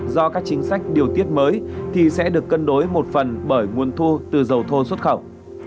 do các chính sách điều tiết mới thì sẽ được cân đối một phần bởi nguồn thu từ dầu thô xuất khẩu